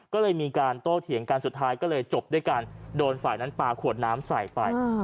ก็เลยมีการโต้เถียงกันสุดท้ายก็เลยจบด้วยการโดนฝ่ายนั้นปลาขวดน้ำใส่ไป